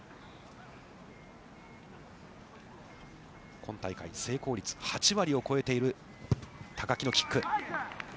今大会、成功率は８割を超えている高木のキック。